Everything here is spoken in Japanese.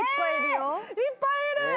いっぱいいる。